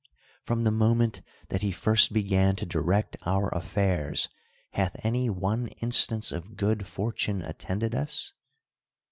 From the moment that he first began to direct our aiTairs, hath any one instance of good for tune attended us?